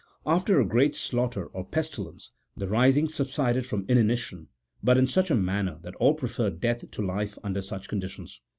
After a great slaughter, or pestilence, the rising subsided from inanition, but in such a manner that all preferred death to life under such conditions.